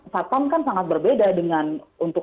satpam kan sangat berbeda dengan untuk